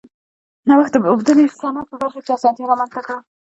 نوښت د اوبدنې صنعت په برخه کې اسانتیا رامنځته کړه.